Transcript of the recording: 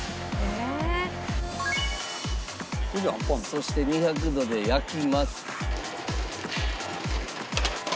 そして２００度で焼きます。